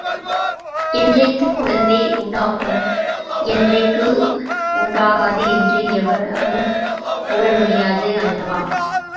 என்றைக்குக் குழந்தை உண்டாகும், என்றைக்கு உண்டாகாது என்று எவராலும் கூற முடியாது அல்லவா?